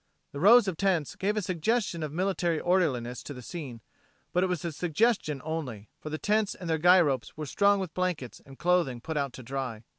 The rows of tents gave a suggestion of military orderliness to the scene, but it was a suggestion only, for the tents and their guy ropes were strung with blankets and clothing put out to dry.